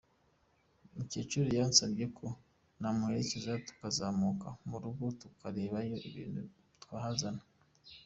Mukecuru yansabye ko namuherekeza tukazamuka mu rugo tukarebayo ibintu twahazana.